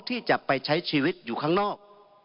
ที่จะไปใช้ชีวิตอยู่ข้างนอก